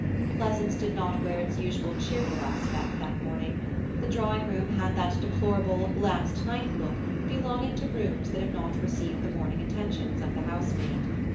Pleasance did not wear its usual cheerful aspect that morning; the drawing room had that deplorable 'last night' look belonging to rooms that have not received the morning attentions of the housemaid.